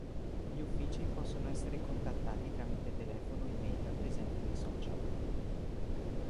Gli Uffici possono essere contattati tramite telefono o email presenti nei social.